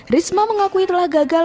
risma mengakui telah gagal